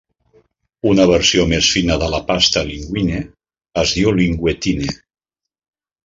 Una versió més fina de la pasta "linguine" es diu "linguettine".